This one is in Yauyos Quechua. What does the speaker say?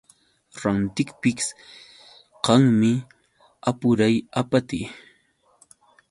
Rantiqpis kanmi apuray apatii.